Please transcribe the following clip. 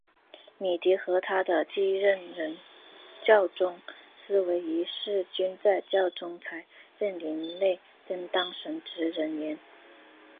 米迪和他的继任人教宗思维一世均在教宗才林任内担任神职人员。